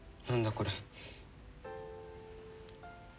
これ。